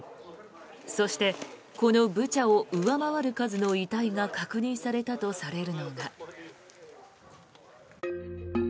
そしてこのブチャを上回る数の遺体が確認されたとされるのが。